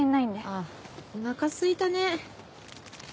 あっおなかすいたね。